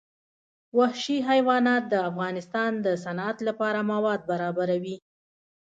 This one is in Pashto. وحشي حیوانات د افغانستان د صنعت لپاره مواد برابروي.